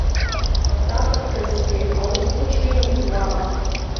Аҵабыргазгьы, аусқәа ҽеимызт уаҟа.